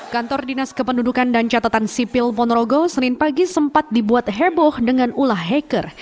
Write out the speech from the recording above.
kantor dinas kependudukan dan catatan sipil ponorogo senin pagi sempat dibuat heboh dengan ulah hacker